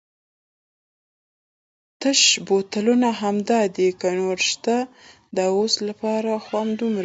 تش بوتلونه همدای دي که نور هم شته؟ د اوس لپاره خو همدومره دي.